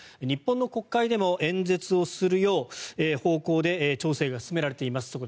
日本の国会でも演説をする方向で調整が進められています。